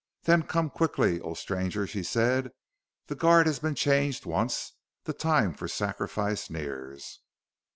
"Then come quickly, O Stranger!" she said. "The guard has been changed once; the time for sacrifice nears!"